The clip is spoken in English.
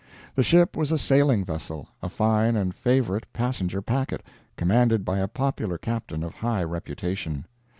The ship was a sailing vessel; a fine and favorite passenger packet, commanded by a popular captain of high reputation.